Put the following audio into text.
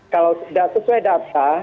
kalau sesuai data